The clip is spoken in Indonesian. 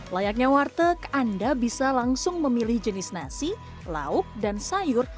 layaknya warteg anda bisa langsung memilih jenis nasi lauk dan sayur